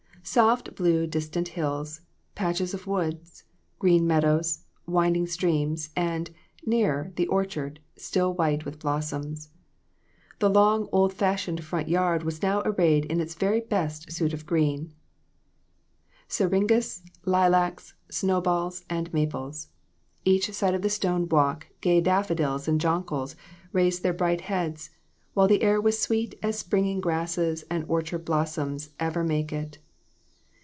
Soft blue distant hills, patches of woods, green meadows, winding streams, and, nearer, the orchard, still white with blossoms. The long, old fashioned front yard was now arrayed in its very best suit of green syrin gas, lilacs, snowballs and maples. Each side of the stone walk gay daffodils and jonquils raised their bright heads, while the air was sweet as springing grass and orchard blossoms ever make it.